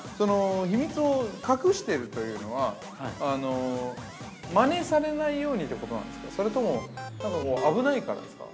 ◆秘密を隠しているというのは、まねされないようにということなんですか、それとも、危ないからですか。